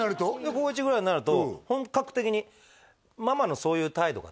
高１ぐらいになると本格的にママのそういう態度がね